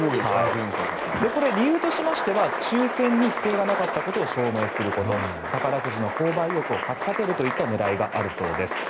理由としては抽選に不正がなかったことを証明すること宝くじの購買意欲をかき立てるといった狙いがあるそうです。